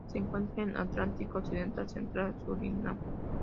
Se encuentra en el Atlántico occidental central: Surinam.